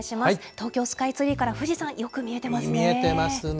東京スカイツリーから富士山、よく見えてますね。